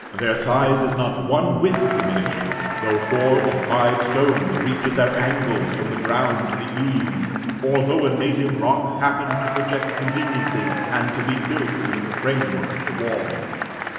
Their size is not one whit diminished, though four or five stones reach at their angles from the ground to the eaves, or though a native rock happen to project conveniently, and to be built into the framework of the wall.